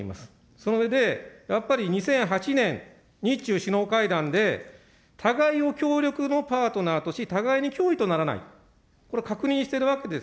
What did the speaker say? その上で、やっぱり２００８年、日中首脳会談で互いを協力のパートナーとし、互いに脅威とならない、これは確認しているわけです。